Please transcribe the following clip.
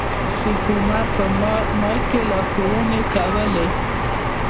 شیخ عمر په مایک کې لارښوونې کولې.